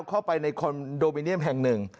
เข้าไปในคอนโดมิเนียมแห่งหนึ่ง